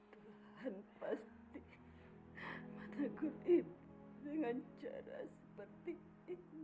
tuhan pasti menanggung ibu dengan cara seperti ini